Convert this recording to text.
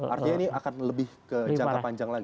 artinya ini akan lebih ke jangka panjang lagi